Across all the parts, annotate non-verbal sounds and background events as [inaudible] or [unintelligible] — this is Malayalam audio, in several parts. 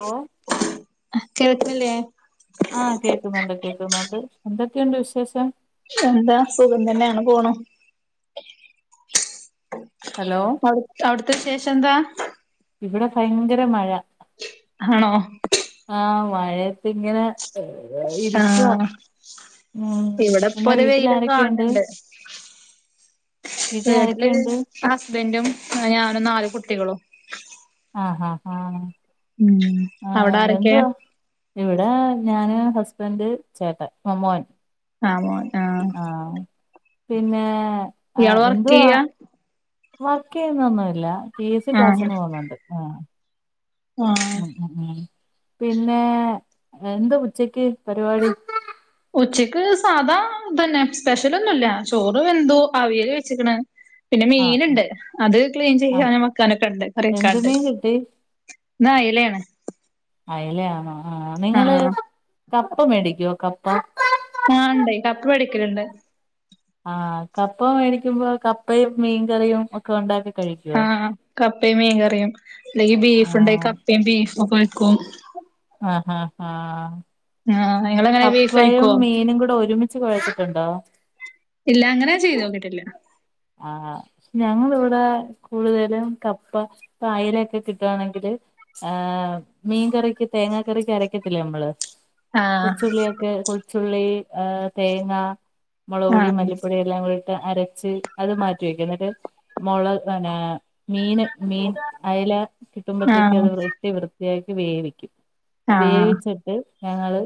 ഓ കേൾക്കുന്നില്ലേ ആഹ് കേക്കുന്നുണ്ട് കേക്കുന്നുണ്ട് എന്തൊക്കെയുണ്ട് വിശേഷം എന്താ സുഖം തന്നെയാണ് പോണം ഹലോ അവി അവിടുത്തെ വിശേഷം എന്താ ഇവിടെ ഭയങ്കര മഴ ആണോ ആഹ് മഴയത്തിങ്ങനെ ഏ ഇരിക്കുവാ ആഹ് ഉം ഇവിടെ ഇപ്പൊ പിന്നെ ഒരു വെയില് വീട്ടിലാരൊക്കെയുണ്ട് കാണുന്നുണ്ട് വീട്ടില് ഹസ്ബന്റും ഞാനും നാലു കുട്ടികളും ആഹ് ആഹ് ആഹ് ഉം ആഹ് അവിടാരൊക്കേ എന്തുവാ ഇവിടെ ഞാന് ഹസ്ബന്റ് ചേട്ടൻ അഹ് മോൻ ആഹ് മോൻ ആഹ് പിന്നേ ആഹ് ഇയാള് വർക്ക് എന്തുവാ ചെയ്യാ വർക്കെയ്യുന്നൊന്നുല്ല പി എസ് സി ആഹ് ക്ലാസ്സിന് പോകുന്നുണ്ട് ഉം ആഹ് ഉം ഉം പിന്നേ എന്താ ഉച്ചക്ക് പരിപാടി ഉച്ചയ്ക്ക് സാധാ ഇതന്നെ സ്പെഷ്യലൊന്നുല്ല ചോറ് വെന്തു അവിയല് വെച്ചിക്ക്‌ണ് പിന്നെ ആഹ് മീന്ണ്ട് അത് ക്ലീൻ ആഹ് ചെയ്യാനും വക്കാനൊക്കെണ്ട് എന്ത് കറിയെക്കാണ്ട് മീൻ കിട്ടി അയലേണ് അയലയാണോ ആഹ് നിങ്ങള് ആഹ് കപ്പ മേടിക്കുവോ കപ്പ ആണ്ടെയ് കപ്പ വേടിക്കല്ണ്ട് ആഹ് കപ്പ മേടിക്കുമ്പോ കപ്പയും മീൻകറിയും ഒക്കെ ഉണ്ടാക്കി കഴിക്കുവോ ആഹ് കപ്പയും മീൻകറിയുല്ലെങ്കി ആ ബീഫ്‌ണ്ടേ കപ്പയും ബീഫൊക്ക വക്കും ആഹ് ആഹ് ആഹ് ആഹ് നിങ്ങളെ കപ്പയും മീനും കൂടെ ഒരുമിച്ച് കൊഴച്ചിട്ടുണ്ടോ ഇല്ല അങ്ങനെ ഞാൻ ചെയ്തോക്കീട്ടില്ല ആഹ് ഞങ്ങളിവിടെ കൂടുതലും കപ്പ പായലെക്കെ കിട്ടാണെങ്കില് ആഹ് മീൻകറിക്ക് തേങ്ങാ കറിക്ക് അരക്കത്തില്ലേ നമ്മള് ആഹ് കൊച്ചുള്ളിയൊക്കെ കൊച്ചുള്ളി ഏ തേങ്ങ മോളക്പൊടിം ആഹ് മല്ലിപ്പൊടി എല്ലാം കൂടിട്ട് അരച്ച് അത് മാറ്റി വെയ്ക്കും ഇന്നെട്ട് മൊള് പിന്നെ മീന് മീൻ അയല ആഹ് കിട്ടുമ്പത്തേക്കത് വെട്ടി വൃത്തിയാക്കി വേവിക്കും ആഹ് വേവിച്ചിട്ട് ഞങ്ങള്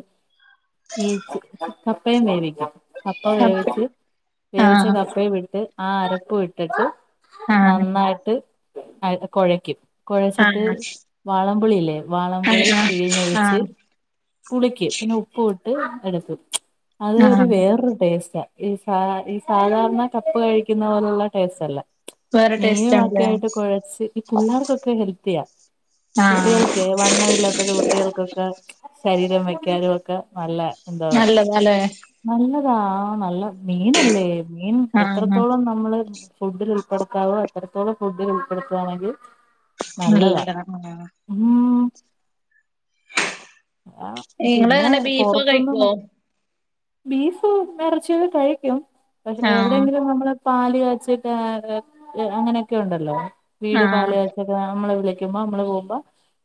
ഈ ച്ച് കപ്പയും വേവിക്കും കപ്പ വേവിച്ച് വേവിച്ച ആഹ് കപ്പയും ഇട്ട് ആ അരപ്പും ഇട്ട്ട്ട് ആഹ് നന്നായിട്ട് മൈദ കൊഴക്ക്യും കൊഴച്ച്ട്ട് ആഹ് വാളംപുളില്ലേ വാളംപുളി ആഹ് ആഹ് പിഴിഞ്ഞൊഴിച്ച് പുളിക്ക്യും പിന്നെ ഉപ്പൂട്ട് എടുക്കും അത് ഒരു ആഹ് വേറൊരു ടേസ്റ്റാ ഈ സാ ഈ സാധാരണ കപ്പ കഴിക്കുന്ന പോലുള്ള ടേസ്റ്റല്ല വേറെ മീനു ടേസ്റ്റ് ആണല്ലേ ഒക്കായിട്ട് കുഴച്ച് ഈ പുള്ളാർക്കൊക്കെ ഹെൽത്തിയാ ആഹ് കുട്ട്യേൾക്കേ വണ്ണം ഇല്ലാത്തൊക്കെ കുട്ട്യേൾക്കൊക്കെ ശരീരം വെക്കാനൊക്കെ നല്ലെ നല്ലതാല്ലേ നല്ലതാ നല്ല മീനല്ലേ മീൻ എത്ര ആഹ് നമ്മള് ഫുഡിലുൾപ്പെട്ത്താവോ അത്രത്തോളം ഫുഡില് ഉൾപ്പെട്ത്താണെങ്കി നല്ലതാ ഉം ആഹ് നിങ്ങള് പിന്നെ എങ്ങനെ ബീഫ് പൊറത്ത്ന്ന്ന്ന് കഴിക്കുവോ ബീഫും എറച്ചിയൊക്കെ കഴിക്ക്യും പക്ഷെ ആഹ് എവിടെങ്കിലും നമ്മ ള് പാല് കാച്ചി കേറാ അങ്ങനെയൊക്കെ ഉണ്ടല്ലോ വീട് ആഹ് പാല്ക്കാച്ചാ നമ്മളെ വിളിക്കുമ്പോ നമ്മള് പോവുമ്പോ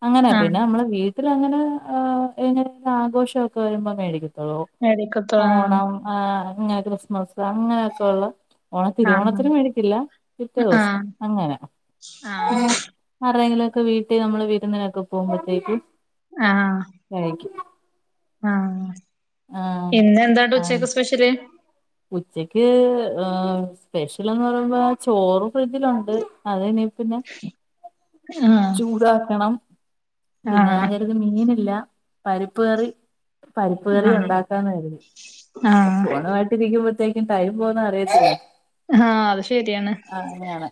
അങ്ങനെ ആഹ് പിന്നെ നമ്മളെ വീ ട്ടില് അങ്ങനെ ഏഹ് എങ്ങനെലും ആഘോഷോക്കെ വരുമ്പോ മേടിക്കത്തൊള്ളു മേടിക്കത്തൊ ആഹ് ഓണം ആഹ് ഇങ്ങനെ ക്രിസ്മസ് അങ്ങനെയൊക്കള്ള ഓണ ആഹ് തിരുവോണത്തിനു മേടിക്കില്ല പിറ്റേ ദിവസം ആഹ് അങ്ങനെ ആഹ് ആരേങ്കിലൊക്കെ വീട്ടി നമ്മള് വിരുന്നിനൊക്കെ പോവുമ്പത്തേക്കും ആഹ് കഴിക്ക്യും ആഹ് ഇന്ന് എന്താന്നെട്ട് ആ ഉച്ചക്ക് സ്പെഷ്യല് ഉച്ചക്ക് ഏഹ് സ്പെഷ്യലെന്ന് പറയുമ്പോ ചോറ് ഫ്രിഡ്ജിലുണ്ട് അത് ഇനി പിന്നെ ആഹ് ചൂടാക്കണം പിന്നെ ഞാൻ ആഹ് കര്തി മീനില്ല പരിപ്പ് കറി പരിപ്പ് കറി ആഹ് ഉണ്ടാക്കാന്ന് കര്തി ആഹ് ഫോണു ആയിട്ട് ഇരിക്കുമ്പോത്തേക്കും ടൈം പോന്നേ അറിയത്തില്ല ആഹ് അത് ശരിയാണ് ആഹ് അങ്ങനെയാണ്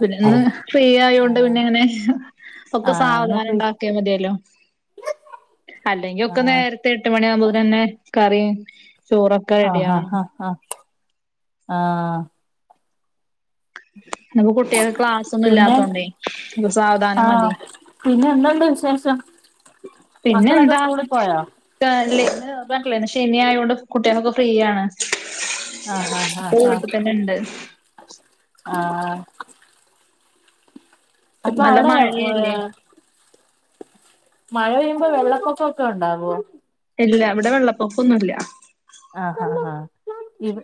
പിന്നെന്ന് ഫ്രീ ആയൊണ്ട് ആഹ് പിന്നെ ഇങ്ങനെ ഒക്കെ ആഹ് ഇന്ന് സാവധാനം ഫ്രീ ഇണ്ടാക്ക്യ മതിയല്ലോ അല്ലെങ്കി ഒക്കെ ആഹ് നേരത്തെ എട്ട് മണി ആവുമ്പോത്തിനെന്നേ കറിം ചോറോ ആഹ് ഹാ ഹഹ് ഹാ ആഹ് ഇന്ന്പ്പോ കുട്ട്യേക്ക് ക്ലാസ്സോന്നും പിന്നെ ഇല്ലാത്തോണ്ടേ സാവധാനം ആഹ് മതി പിന്നെ എന്ത്‌ണ്ട് വിശേഷം മക്കളൊക്കെ സ്കൂളിൽ പോയോ കളീല് പറഞ്ഞ്ട്ട്ല്ലേന്യോ ശനി ആയൊണ്ട് കുട്ട്യേളൊക്കെ ഫ്രീയാണ് ആഹ് ആഹ് ഇപ്പോ ആഹ് ആഹ് വീട്ട് തന്നെ ഇണ്ട് ആഹ് നല്ല അപ്പവ്ടെ മഴയല്ലേ [unintelligible] മഴ പെയ്യുമ്പോ വെള്ളപ്പൊക്കക്കെ ഉണ്ടാവോ ഇല്ല ഇവടെ വെള്ളപ്പൊക്കൊന്നുല്ല ആഹ് ആഹ് ആഹ് ഇവ്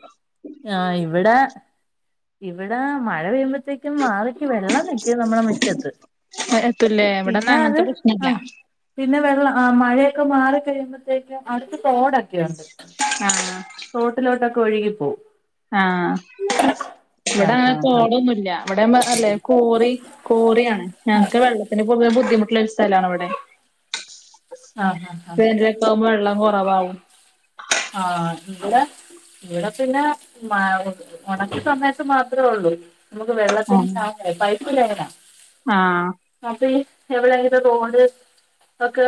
ഇവ്ടെ ഇവിടെ മഴ പെയ്യുമ്പത്തേക്കും [unintelligible] വെള്ളം നിക്ക്യും നമ്മളെ മുറ്റത്ത് എത്തുല്ലേ ഇവടെന്നാ അങ്ങനത്തെ പ്രശ്നല്ല പിന്ന വെള്ളം ആഹ് മഴയൊക്കെ മാറി കഴിയുമ്പത്തേക്കും അടുത്ത് തോടൊക്കെയുണ്ട് ആഹ് തോട്ടിലോട്ടൊക്ക ഒഴുകിപ്പോവും ആഹ് ആഹ് ഇവിടങ്ങനെ ആഹ് ആഹ് തോടൊന്നുല്ല. വടെ മ്മ ർ ലെ കോറി, കോറിയാണ് ഞങ്ങക്ക് വെള്ള ത്തിന് പൊതുവെ ബുദ്ധിമുട്ടുള്ള ഒരു സ്ഥലാണ് വിടെ ആഹ് ഹ ഹ പ്പം വെള്ളം കൊറവാകും ആഹ് ഇവിടെ ഇവിടെ പിന്നെ മ ഉണക്കി സമയത്ത് മാത്രേ ഉള്ളൂ നമ്മക്ക് വെള്ളത്തിന് ആഹ് ക്ഷാമേ.. പൈപ്പ് ലൈനാ ആഹ് അപ്പ ഇ എവിടെങ്കിലു റോഡ് ഒക്കെ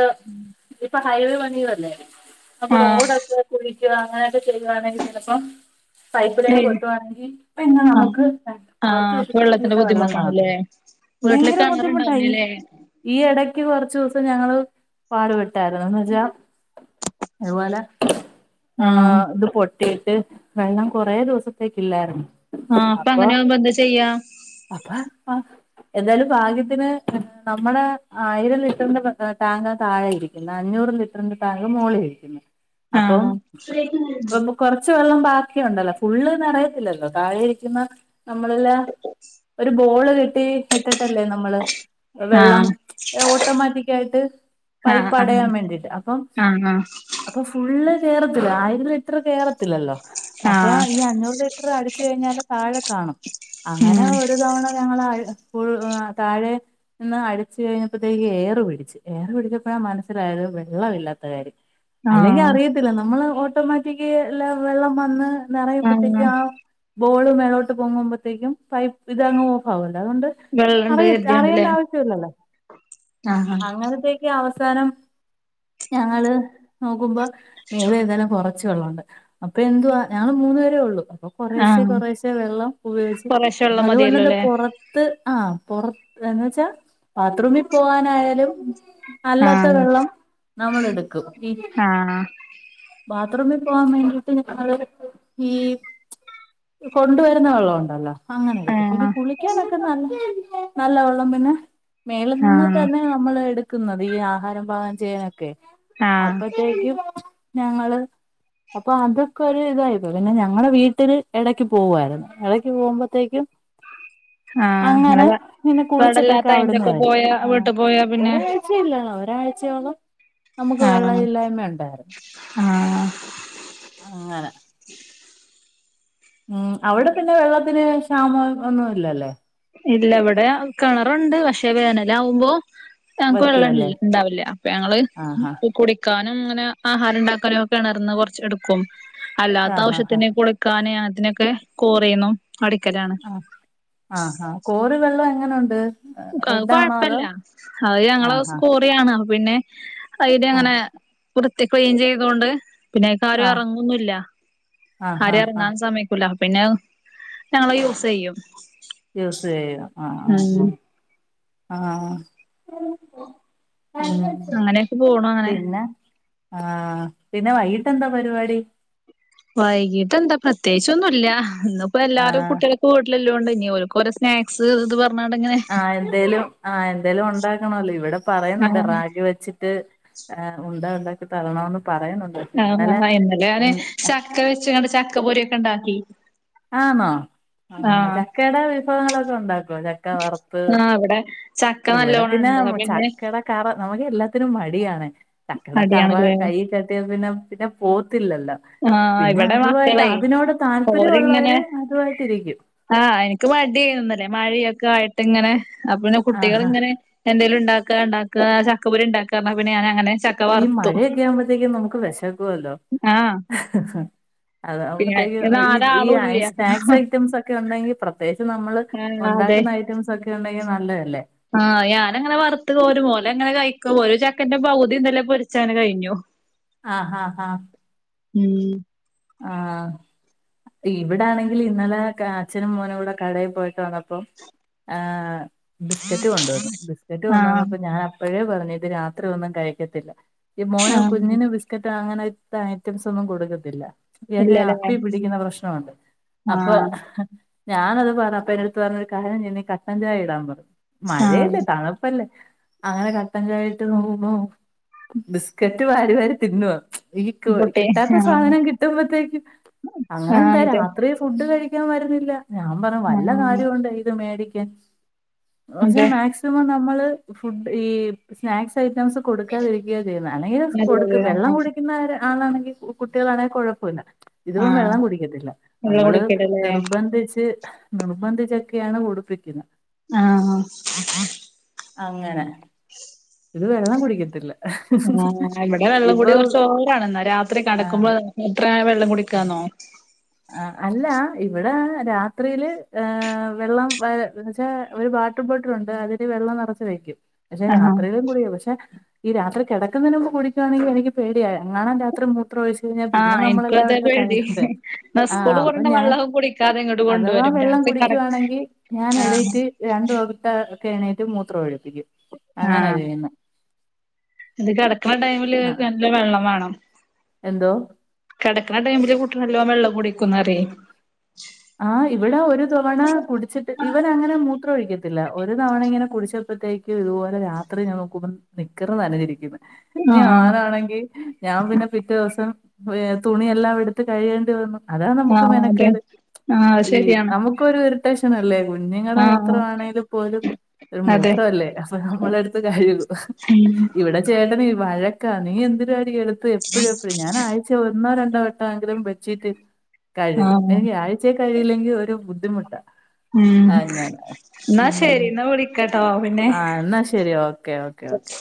ഇപ്പ ഹൈവേ പണിയുവല്ലേ, അപ്പൊ ആഹ് റോഡൊക്കെ കുഴിക്കുക അങ്ങനെയൊക്കെ ചെയ്യുവാണെങ്കി ചെലപ്പം പൈപ്പ് ലൈൻ പൊട്ടുവാണങ്കി പിന്നെ ആഹ് നമുക്ക് കൊറച്ച് ആഹ് അപ്പൊ ദിവസത്തേക്ക് വെള്ളത്തിന്റെ പിന്നെ വെള്ളം ബുദ്ധിമുട്ടാണല്ലേ കാണത്തില്ല വീട്ടില് ഭയങ്കര ബുദ്ധിമുട്ടായി കിണറുണ്ടാവൂലല്ലേ ഈ എടക്ക് കൊർച്ചൂസം ഞങ്ങള് പാടുപെട്ടാരുന്നു. എന്നുവെച്ചാ ത്പോല ആഹ്, ത് പൊട്ടിയിട്ട് വെള്ളം കൊറേ ദിവസത്തേക്കില്ലാരുന്നു ആഹ് അപ്പൊ അങ്ങന്യാവുമ്പോ എന്താ ചെയ്യാ അപ്പ ആഹ് എന്തായാലും ഭാഗ്യത്തിന് നമ്മടെ ആയിരം ലിറ്ററിന്റെ ടാങ്ക താഴയിരി ക്കുന്ന അഞ്ഞൂറ് ലിറ്ററിന്റെ ടാങ്ക് മോളിൽ വെക്കിന്ന് ആഹ് കൊറച്ച് വെള്ളം ബാക്കിയുണ്ടല്ലോ ഫുള്ള് നെറയത്തില്ലല്ലോ, താഴെ ഇരിക്കുന്ന നമ്മളെല്ല ഒരു ബോള് കെട്ടി ഇട്ടിട്ടല്ലേ നമ്മള് വെള്ളം ആഹ് ഓട്ടോമാറ്റിക് ആയിട്ട് ആഹ് പൈപ്പടയാൻ ആഹ് വേണ്ടിട്ട് അപ്പം ആഹ് അപ്പൊ ഫുള്ള് കേറത്തില്ല. ആയിരം ലിറ്റർ കേറത്തില്ലല്ലോ, അപ്പൊ ആഹ് ഈ അഞ്ഞൂറ് ലി റ്റ്റ് അടിച്ചു കഴിഞ്ഞാല് താഴെ കാണും അങ്ങനെ ഉം ഒരു തവണ ഞങ്ങള് അൾ ഫുൾ താഴെ ഇന്ന് അരിച്ച് കഴിഞ്ഞപ്പത്തേക്ക് എയർ പിടിച്ച്, എയർ പിടിച്ചപ്പഴ മനസ്സിലായത് വെള്ളവില്ലാത്ത കാര്യം അല്ലെങ്കി ആഹ് അറിയത്തില്ല നമ്മള് ഓട്ടോമാറ്റിക്ക് ല്ല വെള്ളം വന്ന് നെറയുമ്പത്തേക്കും ആഹ് ആ ബോള് മേലോട്ട് പൊങ്ങുമ്പത്തേക്കും പൈപ്പ് ഇതങ്ങു ഓഫ് ആവുണ്ട്. അതുകൊണ്ട് വെള്ളണ്ട് അറിയത്ത് കരുതിയാണ്ട്ല്ലേ അറിയണ്ട ആവശ്യവില്ലല്ലേ ആഹ് അങ്ങനത്തേക്ക് ക്ക് അവസാനം ഞങ്ങള് നോക്കുമ്പോ മേലെ ഏതാലും കൊറ ച്ച് വെള്ളവുണ്ട്. അപ്പൊ എന്തുവാ ഞങ്ങള് മൂന്ന്പേരേ ഒള്ളു അപ്പൊ കൊറേശ്ശെ ആഹ് കൊറേശ്ശെ വെള്ളം ഉപയോഗിച്ച് കൊറേശ്ശെ അപ്പൊ വെള്ളം അതുകൊണ്ടെന്റെ മതിയല്ലോല്ലേ പൊറ ത്ത് ആഹ് പൊറത്ത് എന്ന് വെച്ചാ ബാത്ത്റൂമി പോവാനായാലും അല്ലാത്ത ആഹ് വെള്ളം നമ്മൾ എടുക്കും ഇ ആഹ് ബാത്റൂമി പോവാൻ വേണ്ടിട്ട് ഞങ്ങളൊരു ഈ ഇ കൊണ്ടുവരുന്ന വെള്ളം ഉണ്ടല്ല അങ്ങനെ എടുക്കും. പിന്നെ ആഹ് കുളിക്കാനൊക്കെ ന നല്ല വെള്ളം പിന്നെ മേളിൽ നിന്ന് ആഹ് തന്നെ നമ്മൾ എടുക്കുന്നത്, ഈ ആഹാരം പാകം ചെയ്യാനൊക്കെ ആഹ് അപ്പത്തേക്കും ഞങ്ങള് അപ്പൊ അതൊക്കെ ഒരുതായിപ്പോ പിന്നെ ഞങ്ങളെ വീട്ടില് എടക്ക് പോവ്വായിരുന്നു. എടക്ക് പോവുമ്പത്തേക്കും അങ്ങനെ നിന്ന് ഇവടല്ലാത്ത കുളിച്ചിട്ടൊക്കെ അവിടുന്ന് ടൈമിലൊക്കെ വരും പോയാ ആഹ് വീട്ട് പോയാ പിന്നെ ഒരാഴ് ച്ച ഇല്ലാതെ ഒരാഴ്ചയോളം നമുക്ക് ആഹ് വെള്ളയില്ലായ്മ ഉണ്ടായിരുന്നു ആഹ് അങ്ങനെ ഉം അവിടെ പിന്നെ വെള്ളത്തിന് ക്ഷാമം ഒന്നുല്ലല്ലേ ഇല്ല ഇവിടെ കിണറുണ്ട് പക്ഷേ വേനലാവുമ്പോ ഞങ്ങൾക്ക് വെള്ളം പറ്റുവല്ലേ ഉണ്ടാവില്ല അപ്പൊ ഞങ്ങള് ആഹാ [unintelligible] ക്കാനും ങ്ങനെ ആഹാരണ്ടാക്കാനും ഒക്കെ കെണർന്ന് കൊർച്ച് എടുക്കും അല്ലാത്ത ആഹാ ഹാ ആവശ്യത്തിന കുളി ക്കാന് അങ്ങൻതിനൊക്കെ കോറിന്നും അടിക്കലാണ് ആഹ് ആഹ് കോറി വെള്ളം എങ്ങനൊണ്ട് അത്‌ കൊഴ്പ്പല്ല അത് ഞങ്ങള ആഹാ സ്കോ ണ് പിന്നെ ആ അയ്നങ്ങനെ പുറത്തിക്കും ചെയ്തോണ്ട് പിന്നെ അയ്ക്കാരും ആ എറങ്ങൊന്നില്ല ആഹാ ആരെ ആ ആ എറങ്ങാൻ സമയ ക്കൂല പിന്നെ ഞങ്ങള് യൂസ് ചെയ്യും യൂസ് ചെയ്യ ആഹ് ഉം ആഹ് ആഹ് ആഹ് പി അങ്ങനെയൊക്കെ പോണു അങ്ങനെ പിന്നെ ആഹ് പിന്നെ വൈകിട്ട് എന്താ പരിപാടി വൈകീട്ട് എന്താ പ്രത്യേകിച്ചൊന്നും ഇല്ല ഇന്നിപ്പോ എല്ലാരും ആഹ് കുട്ടികളക്കെ വീട്ടിലല്ലാണ്ട് ഇനി ഓൽക്കോരോ സ് സ്നാക്സ് അത് പർഞ്ഞാണ്ടേ ആഹ് എന്തേലും ആഹ് എന്തേലും ഉണ്ടാക്കണല്ലോ ഇവിടെ പറയുന്നുണ്ട് ആഹ് റാഗി വെച്ചിട്ട് ആഹ് ഉന്താ ഉണ്ടാക്കി തരണന്ന് പറയുന്നുണ്ട് ആഹ് ആഹ് ഇന്നലെ ഞാന് ഇന്ന് ചക്ക വെച്ച്‌ങ്ങാണ്ട് ചക്ക പൊരി ഒക്കെ ഉണ്ടാക്കി ആണോ ആഹ് ചക്കയുടെ വിഭവങ്ങളൊക്കെ ഉണ്ടാക്കുവോ ചക്ക വറുത്ത് ആഹ് ഇവിടെ ചക്ക ഇവിടെ നല്ലോണം പിന്നെ ഇണ്ട് അപ്പൊ പിന്നെ ചക്കെടെ കറ നമുക്ക് എല്ലാത്തിനും മടിയാണ് ചക്കടെ കറ അടിയാണല്ലേ കൈയിൽ തട്ടിയ പിന്നെ പിന്നെ പോവ്ത്തില്ലല്ലോ ആഹ് പിന്നെ ഇവിടെ അതുായിട്ട് മക്കളെ അതിനോട് ഓരിങ്ങനെ താല്പര്യമുള്ളവര് അതുവായിട്ട് ഇരിക്കും ആഹ് എനിക്ക് മടിയായ്ന്ന് ഇന്നലെ മഴയൊക്കെ ആയിട്ട് ഇങ്ങനെ പിന്നെ കുട്ടികള് ആഹാ ങ്ങനെ എന്തേലുണ്ടാക്കാണ്ടാക്കാ ചക്കപൊരിണ്ടാക്കാ പറഞ്ഞപ്പോ പിന്നെ ഞാനങ്ങനെ ച ഈ മഴയൊക്കെ ആവുമ്പോത്തേക്കും നമുക്ക് വെശക്കുവല്ലോ ആഹ് അത്‌ പിന്നെ ആവുമ്പത്തേക്കും ഈ ഈ നാലാളും ഐ ഇല്ല സ്നാക്സ് ഐറ്റംസ് ഒക്കെ ഉണ്ടെങ്കി പ്രത്യേകിച്ച് നമ്മള് ആഹ് അതെ ഉണ്ടാക്കുന്ന ഐറ്റംസ് ഒക്കെ ഉണ്ടെങ്കി നല്ലതല്ലേ ആഹ് ഞാനങ്ങനെ വറുത്ത് കോരും ഒലങ്ങനെ കഴിക്കും ഒരു ചക്കന്റെ പവുതി ഇന്നലെ പൊരിച്ചങ്ങനെ കഴിഞ്ഞു ആഹ് ഹാ ഹാ ഉം ആഹ് ഇവിടെ ആണെങ്കിൽ ഇന്നലെ അച്ഛനും മോനും കൂടെ കടയിൽ പോയിട്ട് വന്നപ്പോ ആഹ് ബിസ്കറ്റ് കൊണ്ടുവന്നു ബിസ്ക്കറ്റ് ആഹ് കൊണ്ടുവന്നപ്പോ ഞാൻ അപ്പഴേ പറഞ്ഞു ഇത് രാത്രി ഒന്നും കഴിക്കത്തില്ല ഈ മോന് ആഹ് കുഞ്ഞിന് ബിസ്ക്കറ്റ് അങ്ങനത്തെ ഐറ്റംസ് ഒന്നും കൊടുക്കത്തില്ല ഇയാക്ക് ഇല്ലല്ലേ അപ്പി പിടിക്കുന്ന പ്രശ്നമുണ്ട് അപ്പൊ ആഹ് ഞാനത് പറഅപ്പൊ എന്റടുത്ത് പറഞ്ഞു ഒരു കാര്യം ചെയ്യ് നീ കട്ടഞ്ചായ ഇടാൻ പറഞ്ഞു ആഹ് മഴയല്ലേ തണുപ്പല്ലേ അങ്ങനെ കട്ടൻചായ ഇട്ട്നോക്കുമ്പോ ബിസ്കറ്റ് വാരി വാരി തിന്നുവാ ഈ ക്യു കുട്ടി കിട്ടാത്ത ആഹ് സാധനം കി ട്ടുമ്പത്തേക്കും അങ്ങനെ എന്താ ആഹ് അതെ രാത്രി ഫുഡ് കഴിക്കാൻ വരുന്നില്ല ഞാൻ പറഞ്ഞു വല്ല ആഹ് കാര്യോണ്ടോ ഇത് മേടിക്കാൻ പക്ഷേ അതെ മാക്സ സിമം നമ്മള് ഫുഡ് ഈ സ്നാക്സ് ഐറ്റംസ് കൊടുക്കാതിരിക്കുകയ ചെയ്യുന്നത് അല്ലെങ്കിലും നല്ലത് കൊടുക്ക് വെള്ളം ആഹ് കുടിക്കുന്ന ആളാണെങ്കി കുട്ടികളാണെങ്കി കുഴപ്പ ക്കൂല ഇതിപ്പം ആഹ് വെള്ളം കുടിക്കത്തില്ല വെള്ളം നമ്മള് കുടിക്കലല്ലേ നിർബന്ധിച്ച് നിർബന്ധിച്ചൊക്കെയാണ് കുടുപ്പിക്കുന്നെ ആഹ് ഹാ അങ്ങനെ ഇത് വെള്ളം കുടിക്കത്തില്ല ആഹ് ഇവിടെ വെള്ളം കൂടി ഇപ്പൊ കുറച്ചോവറാണ് എന്നാ രാത്രി ആ കടക്കുമ്പോ എത്ര വെള്ളം കുടിക്കാന്നോ ആഹ് അല്ല ഇവിടെ രാത്രിയില് ഏ വെള്ളം വാ ച്ചാ ഒരുവാട് [unintelligible] വെള്ളം നിറച്ച് വെക്കും പക്ഷെ ആഹ് രാത്രിയിലും കൂടിയും പക്ഷെ ഈ രാത്രി കിടക്കുന്നതിന് മുമ്പ് കുടിക്കുവാണെങ്കിൽ എനിക്ക് പേടിയായി എങ്ങാൻ രാത്രി മു പ്രച്ചു കഴിഞ്ഞാൽ പിന്നെ ആഹ് എനിക്കും അതെ നമ്മളെല്ലായിടും പേടി കഴിയണ്ടേ എന്നാ ആഹ സ്കൂള് അപ്പൊ കൊണ്ടോണ ഞാൻ വെള്ളവും കുടിക്കാതെ ഇങ്ങോട്ട് അഥവാ കൊണ്ടുവരും വെള്ളം രാത്രി കട കുടിക്കുവാണെങ്കിൽ ഞാൻ ആഹ് ഇടയിട്ട് രണ്ടു വട്ട കെ എണ്ണീറ്റ് മൂത്രം ഒഴിപ്പിക്കും അങ്ങനെ ആഹ് ചെയ്യുന്നേ ഇത് കിടക്കുന്ന ടൈമില് നല്ല വെള്ളം വേണം എന്തോ കിടക്കുന്ന ടൈമില് കൂട്ടി നല്ലോ വെള്ളം കുടിക്കുംന്നറിയ ആഹ് ഇവിടെ ഒരു തവണ കുടിച്ചിട്ട് ഇവൻ അങ്ങനെ മൂത്രം ഒഴിക്കുന്നു ത്തില്ല ഒരു തവണ ഇങ്ങനെ കുടിച്ചപ്പോഴത്തേക്കും ഇതുപോലെ രാത്രി ഞാൻ നോക്കുമ്പോ നിക്കറ് നനഞ്ഞരിക്കന്ന് ഇ ആഹ് ആഞാനാണെങ്കിൽ ഞാൻ പിന്നെ പിറ്റേ ദിവസം തുണിയെല്ലാം എടുത്ത് കഴിയേണ്ടി വന്നു അതാണ് നമുക്ക് ആഹ് അതെ മെനക്കേട് ആഹ് അത് ഈ ശരിയാണ് നമുക്കൊരു ഇറിട്ടേഷന അല്ലേ കുഞ്ഞുങ്ങളുടെ ആഹ് മൂത്രമാണെങ്കിൽ പോലും ഒരു അതെ മൂത്രല്ലേ അപ്പൊ നമ്മള അടുത്ത് കഴു ഉം ഇവിടെ ചേട്ടനീ വഴക്കാ നീ എന്തിനാടി എടുത്ത് എപ്പോഴുംഎപ്പോഴും ഞാനൻ [unintelligible] ഒന്നോ രണ്ടോ വട്ടമെങ്കിലും ബെഡ്ഷീറ്റ് കഴും ആഹ് എനി ആഴ് ഉച്ചേ കഴിയില്ലെങ്കിൽ ഒരു ബുദ്ധിമുട്ടാ ഉം അങ്ങനെ ന്നാ ശരി ന്നാ വിളിക്കട്ടോ ആഹാ ന്നാ ശരി ഓക്കെ ഓക്കേ ഓക്കേ